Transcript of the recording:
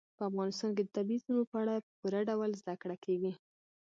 په افغانستان کې د طبیعي زیرمو په اړه په پوره ډول زده کړه کېږي.